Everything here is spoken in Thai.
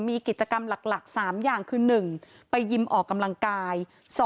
มีกิจกรรมหลัก๓อย่างคือ๑ไปยิมออกกำลังกาย